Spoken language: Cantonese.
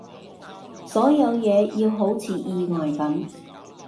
所有嘢要好似意外噉